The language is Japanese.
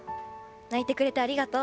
泣いてくれてありがとう。